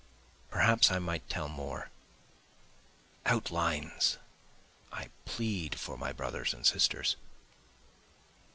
Perhaps I might tell more. Outlines! I plead for my brothers and sisters.